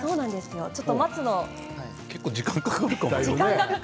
結構、時間がかかるかもよ。